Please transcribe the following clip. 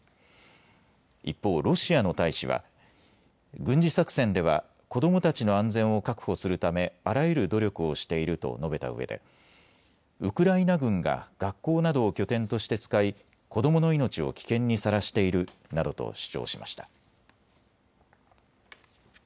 一方、ロシアの大使は軍事作戦では子どもたちの安全を確保するためあらゆる努力をしていると述べたうえでウクライナ軍が学校などを拠点として使い、子どもの命を危険にさらしているなどと主張しました。